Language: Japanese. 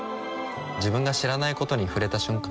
自分が知らないことに触れた瞬間